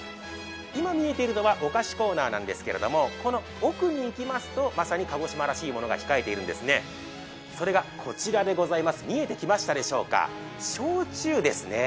今見えているのはお菓子コーナーなんですけど奥に行きますとまさに鹿児島らしいものが控えているんです、それがこちら、見えてきましたでしょうか、焼酎ですね。